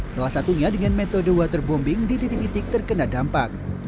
salah satunya dengan metode waterbombing di titik titik terkena dampak